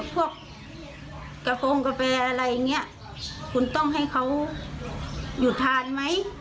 พวกกระโฟงกาแฟอะไรอย่างเงี้ยคุณต้องให้เขาหยุดทานไหม